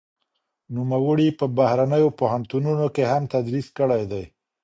نوموړي په بهرنيو پوهنتونونو کې هم تدريس کړی دی.